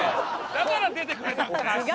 だから出てくれたんですね。